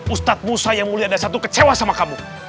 ustadz musa yang mulia ada satu kecewa sama kamu